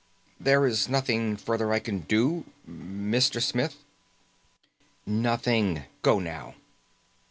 "There is nothing further I can do Mister Smith?" "Nothing. Go now."